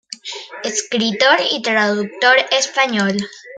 Escritor y traductor español.